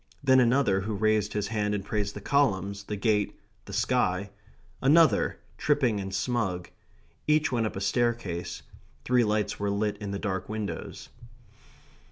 Then another, who raised his hand and praised the columns, the gate, the sky; another, tripping and smug. Each went up a staircase; three lights were lit in the dark windows.